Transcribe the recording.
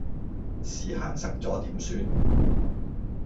屎坑塞左點算？